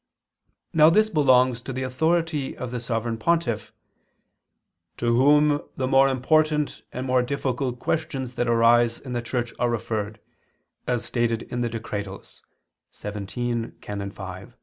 Now this belongs to the authority of the Sovereign Pontiff, "to whom the more important and more difficult questions that arise in the Church are referred," as stated in the Decretals [*Dist. xvii, Can. 5].